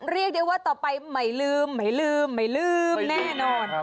เรียกได้ว่าต่อไปไม่ลืมแน่นอน